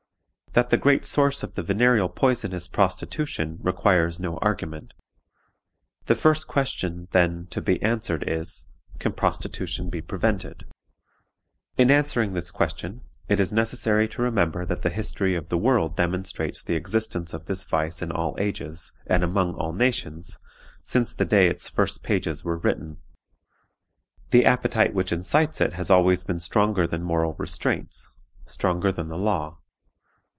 "That the great source of the venereal poison is prostitution, requires no argument. The first question, then, to be answered, is, Can prostitution be prevented? In answering this question, it is necessary to remember that the history of the world demonstrates the existence of this vice in all ages, and among all nations, since the day its first pages were written. The appetite which incites it has always been stronger than moral restraints stronger than the law.